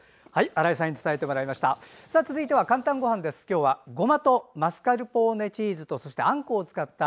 新井さんに伝えてもらいました。